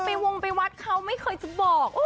วงไปวัดเขาไม่เคยจะบอก